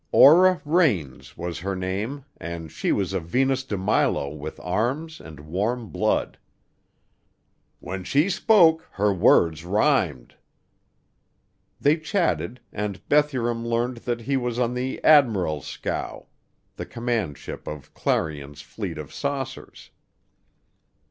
Aura Rhanes was her name and she was a Venus de Milo with arms and warm blood. "When she spoke her words rhymed." They chatted and Bethurum learned that he was on the "Admiral's scow" the command ship of Clarion's fleet of saucers.